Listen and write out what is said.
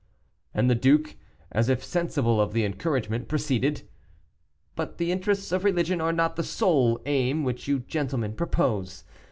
And the duke, as if sensible of the encouragement, proceeded: "But the interests of religion are not the sole aim which you gentlemen propose.